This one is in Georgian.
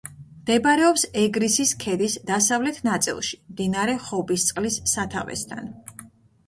მდებარეობს ეგრისის ქედის დასავლეთ ნაწილში, მდინარე ხობისწყლის სათავესთან.